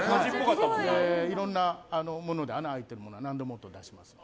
いろんなもので穴開いているものは何でも音を出せます。